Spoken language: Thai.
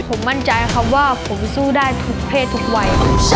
ผมมั่นใจครับว่าผมสู้ได้ทุกเพศทุกวัย